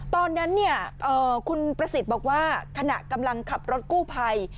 ตอนนั้นคุณประสิทธิ์บอกว่าขณะกำลังขับรถกู้ภัย